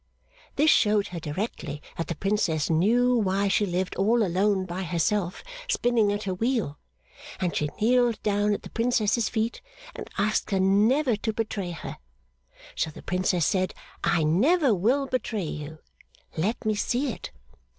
This showed her directly that the Princess knew why she lived all alone by herself spinning at her wheel, and she kneeled down at the Princess's feet, and asked her never to betray her. So the Princess said, I never will betray you. Let me see it.